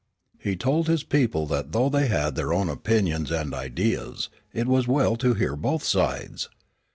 He told his people that though they had their own opinions and ideas, it was well to hear both sides.